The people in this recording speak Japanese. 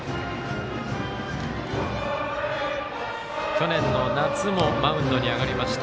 去年の夏もマウンドに上がりました